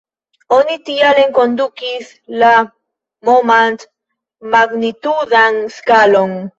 Oni tial enkondukis la Momant-magnitudan skalon.